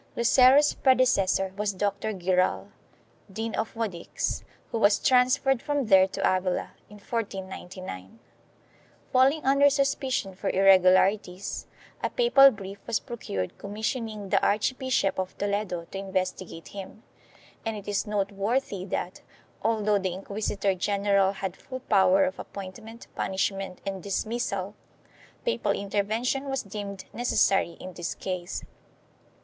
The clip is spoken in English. Lucero's predecessor was Doctor Guiral, Dean of Guadix, who was transferred from there to Avila, in 1499. Falling under suspicion for irregularities, a papal brief was procured com missioning the Archbishop of Toledo to investigate him — and it is noteworthy that, although the inquisitor general had full power of appointment, punishment and dismissal, papal inter vention was deemed necessary in this case.